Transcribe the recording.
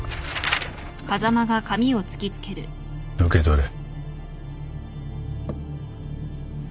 受け取れ。